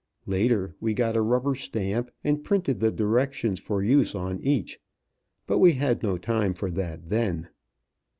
Later we got a rubber stamp, and printed the directions for use on each; but we had no time for that then.